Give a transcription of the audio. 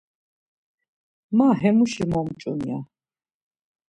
Ma hemuşi momç̌un ya.